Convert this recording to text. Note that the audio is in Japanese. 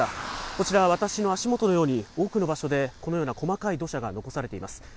こちら、私の足元のように、多くの場所でこのような細かい土砂が残されています。